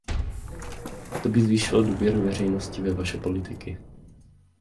To by zvýšilo důvěru veřejnosti ve vaše politiky.